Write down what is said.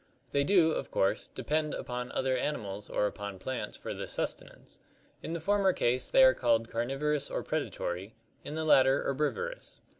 They do, of course, depend upon other animals or upon plants for their sustenance; in the former case they are called carnivorous or predatory, in the latter herbivorous.